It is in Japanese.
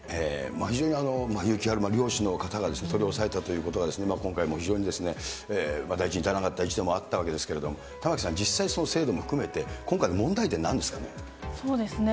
非常に勇気ある漁師の方が取り押さえたということが、今回も非常に、大事に至らなかった一因でもあったわけですけれども、玉城さん、実際にそのせいども含めて、今回の問題点、なんですかね？